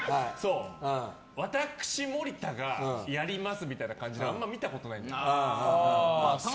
私、森田がやりますみたいな感じあんまり見たことない。